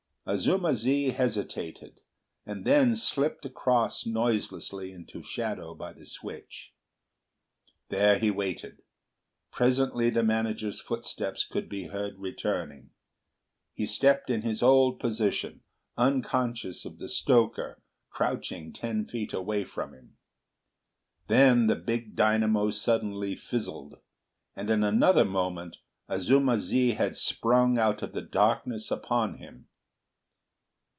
Azuma zi hesitated, and then slipped across noiselessly into shadow by the switch. There he waited. Presently the manager's footsteps could be heard returning. He stopped in his old position, unconscious of the stoker crouching ten feet away from him. Then the big dynamo suddenly fizzled, and in another moment Azuma zi had sprung out of the darkness upon him.